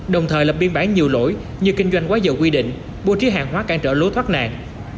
đồng thời lập biên bản nhiều lỗi như kinh doanh quá dậu quy định bố trí hàng hóa cản trở lối thoát nạn